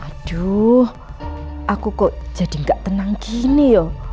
aduh aku kok jadi gak tenang gini loh